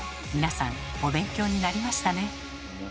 皆さんお勉強になりましたね。